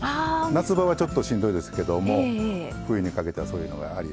夏場はちょっとしんどいですけども冬にかけてはそういうのはありですね。